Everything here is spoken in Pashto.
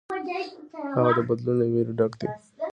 هغه د بدلون له ویرې ډک دی.